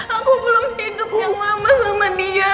aku belum hidup yang lama sama dia